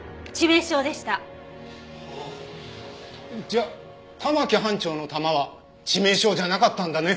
じゃあ玉城班長の弾は致命傷じゃなかったんだね？